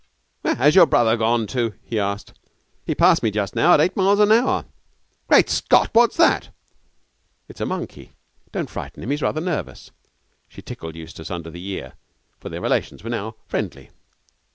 'Where has your brother gone to?' he asked. 'He passed me just now at eight miles an hour. Great Scot! What's that?' 'It's a monkey. Don't frighten him; he's rather nervous.' She tickled Eustace under the ear, for their relations were now friendly.